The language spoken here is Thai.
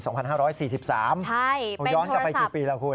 ใช่เป็นโทรศัพท์ย้อนกลับไปกี่ปีแล้วคุณ